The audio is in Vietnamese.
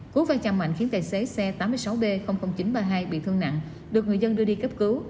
cú va chạm mạnh khiến tài xế xe tám mươi sáu b chín trăm ba mươi hai bị thương nặng được người dân đưa đi cấp cứu